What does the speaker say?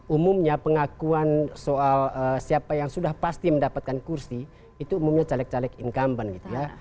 umumnya pengakuan soal siapa yang sudah pasti mendapatkan kursi itu umumnya caleg caleg incumbent gitu ya